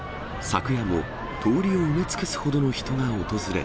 昨夜も通りを埋め尽くすほどの人が訪れ。